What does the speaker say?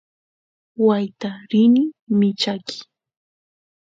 waayta rini michaqy